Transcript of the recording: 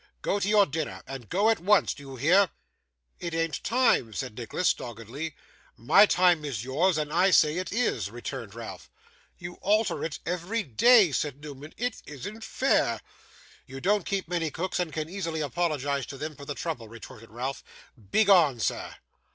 Go to your dinner. And go at once. Do you hear?' 'It an't time,' said Newman, doggedly. 'My time is yours, and I say it is,' returned Ralph. 'You alter it every day,' said Newman. 'It isn't fair.' 'You don't keep many cooks, and can easily apologise to them for the trouble,' retorted Ralph. 'Begone, sir!